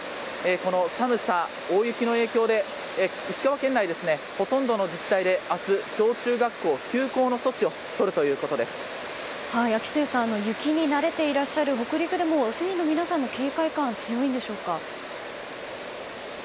この寒さ、大雪の影響で石川県内はほとんどの自治体で明日小中学校、休校の措置を秋末さん、雪に慣れている北陸でも市民の皆さんの警戒感は強いんでしょうか？